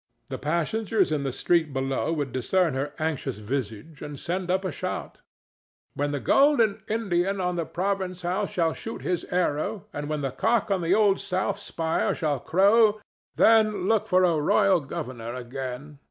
The passengers in the street below would discern her anxious visage and send up a shout: "When the golden Indian on the province house shall shoot his arrow, and when the cock on the Old South spire shall crow, then look for a royal governor again!"